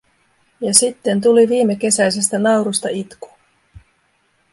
Ja sitten tuli viimekesäisestä naurusta itku.